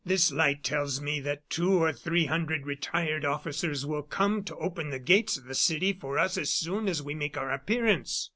This light tells me that two or three hundred retired officers will come to open the gates of the city for us as soon as we make our appearance."